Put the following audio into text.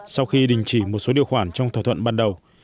sau khi đình chỉ một số điều khoản trong thỏa thuận ban đầu